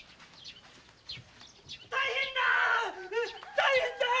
・大変だあ！